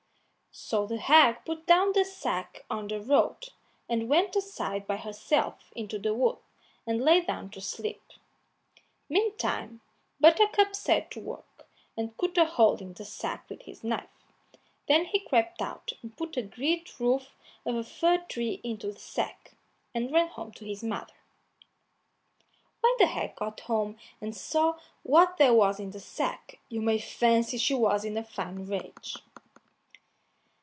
So the hag put down the sack on the road, and went aside by herself into the wood, and lay down to sleep. Meantime Buttercup set to work and cut a hole in the sack with his knife; then he crept out and put a great root of a fir tree into the sack, and ran home to his mother. When the hag got home and saw what there was in the sack, you may fancy she was in a fine rage.